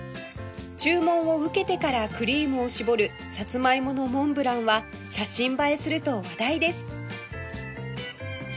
注文を受けてからクリームを絞るさつまいものモンブランは写真映えすると話題です